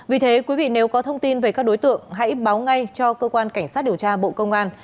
vì thế quý vị nếu có thông tin về các đối tượng hãy báo ngay cho cơ quan cảnh sát điều tra bộ công an